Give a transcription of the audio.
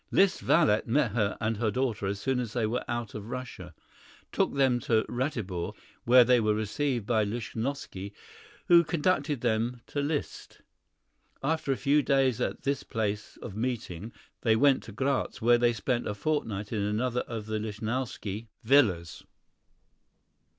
Liszt's valet met her and her daughter as soon as they were out of Russia, took them to Ratibor, where they were received by Lichnowsky, who conducted them to Liszt. After a few days at this place of meeting, they went to Graz, where they spent a fortnight in another of the Lichnowsky villas.